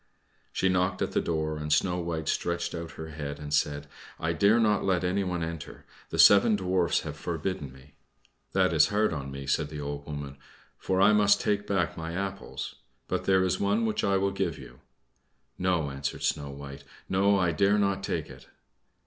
She knocked at the door, and Snow White stretched out her head and said, "I dare not let anyone enter; the seven Dwarfs have forbidden me." "That is hard on me," said the old woman, "for I must take back my apples; but there is one which I will give you." "No," answered Snow White; "no, I dare not take it."